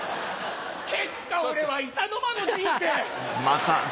結果俺は板の間の人生！